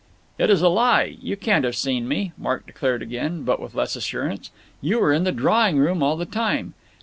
"It is a lie. You can't have seen me," Mark declared again, but with less assurance. "You were in the drawing room all the time.